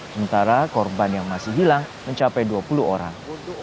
sementara korban yang masih hilang mencapai dua puluh orang